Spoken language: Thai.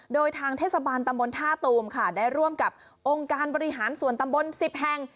โดยทางเทศบาลตำบลท่าตูมค่ะได้ร่วมกับองค์การบริหารส่วนตำบล๑๐แห่ง